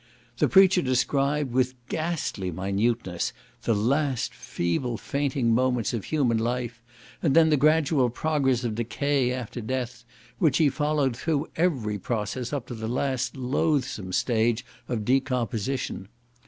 The preacher described, with ghastly minuteness, the last feeble fainting moments of human life, and then the gradual progress of decay after death, which he followed through every process up to the last loathsome stage of decomposition.